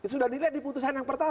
sudah dilihat di putusan yang pertama